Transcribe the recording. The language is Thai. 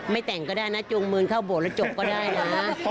แต่งก็ได้นะจูงมือเข้าโบสถแล้วจบก็ได้นะ